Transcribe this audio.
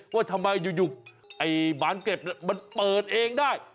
ว่าทำไมอยู่ไอ้บานเก็บมันเปิดเองได้